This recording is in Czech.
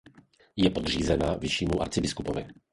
Je podřízena vyššímu arcibiskupovi.